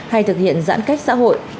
hay thực hiện giãn cách xã hội